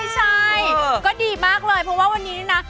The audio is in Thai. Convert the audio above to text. ใช่ก็ดีมากเลยเพราะว่าวันนี้นี่นะ